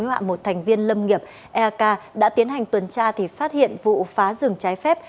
hạ một thành viên lâm nghiệp eak đã tiến hành tuần tra thì phát hiện vụ phá rừng trái phép